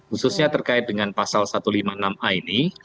khususnya terkait dengan pasal satu ratus lima puluh enam a ini